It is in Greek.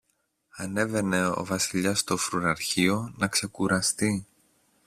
ανέβαινε ο Βασιλιάς στο φρουραρχείο να ξεκουραστεί